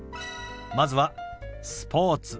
まずは「スポーツ」。